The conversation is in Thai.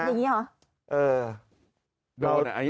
อย่างงี้เหรอแบบนี้ถูก